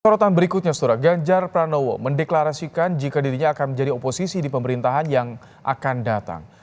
sorotan berikutnya setelah ganjar pranowo mendeklarasikan jika dirinya akan menjadi oposisi di pemerintahan yang akan datang